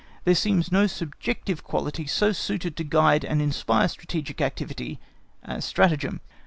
there seems no subjective quality so suited to guide and inspire strategic activity as stratagem.